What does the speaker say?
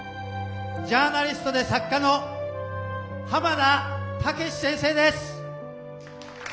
ジャーナリストで作家の浜田剛志先生です！